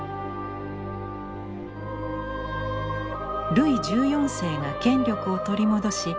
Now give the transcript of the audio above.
ルイ１４世が権力を取り戻し